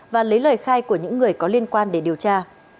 và lấy lời khai của những người có liên quan để điều tra